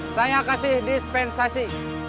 saya kasih dispensasi